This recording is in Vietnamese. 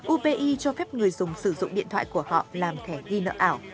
upi cho phép người dùng sử dụng điện thoại của họ làm thẻ ghi nợ ảo